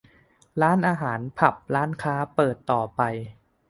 - ร้านอาหาร ผับ ร้านค้า เปิดต่อไป